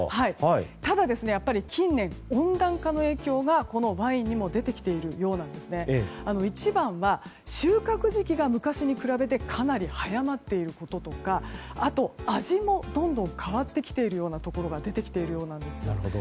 ただ、近年温暖化の影響ワインにも出てきているようで一番は、収穫時期が昔に比べてかなり早まっていることとかあと、味もどんどん変わってきているようなところが出てきているようです。